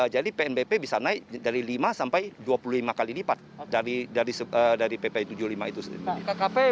jadi pnbp bisa naik dari lima sampai dua puluh lima kali lipat dari pp tujuh puluh lima itu sendiri